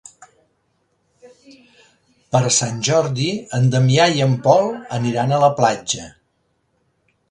Per Sant Jordi en Damià i en Pol aniran a la platja.